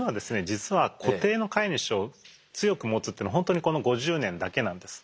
実は固定の飼い主を強く持つっていうのは本当にこの５０年だけなんです。